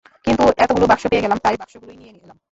কিন্তু এতোগুলো বাক্স পেয়ে গেলাম, তাই, বাক্সগুলোই নিয়ে এলাম।